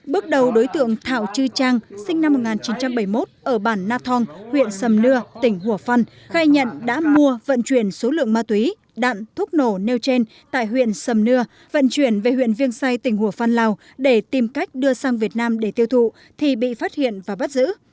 bước đầu đối tượng thảo chư trang sinh năm một nghìn chín trăm bảy mươi một ở bản na thong huyện sầm nưa tỉnh hùa phân khai nhận đã mua vận chuyển số lượng ma túy đạn thuốc nổ nêu trên tại huyện sầm nưa vận chuyển về huyện viêng say tỉnh hồ phân lào để tìm cách đưa sang việt nam để tiêu thụ thì bị phát hiện và bắt giữ